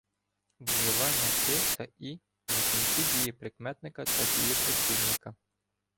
Вживання и та і на кінці дієприкметника та дієприслівника